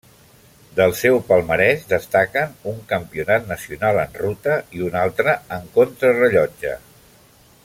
Del seu palmarès destaquen un Campionat nacional en ruta i un altre en contrarellotge.